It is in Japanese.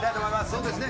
そうですね。